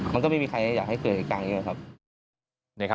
มันก็ไม่มีใครอยากให้เกิดเหตุการณ์อย่างนี้